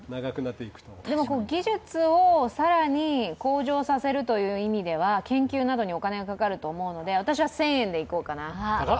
技術をさらに向上させるという意味では研究などにお金がかかると思うので私は１０００円でいこうかな。